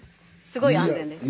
すごい安全です。